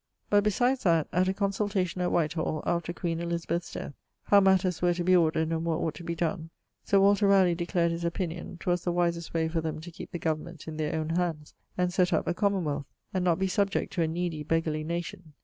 But, besides that, at a consultation at Whitehall, after queen Elizabeth's death, how matters were to be ordered and what ought to be donne, Sir Walter Raleigh declared his opinion, 'twas the wisest way for them to keep the government in their owne hands, and sett up a commonwealth, and not be subject to a needy beggerly nation.